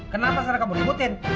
kenapa sekarang kamu ributin